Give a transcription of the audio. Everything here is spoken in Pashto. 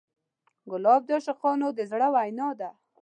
ګلاب د عاشقانو د زړه وینا ده.